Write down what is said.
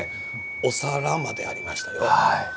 お皿までありましたよ。